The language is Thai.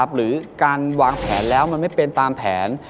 หรือการวางแผนแล้วมันไม่เป็นตามแผน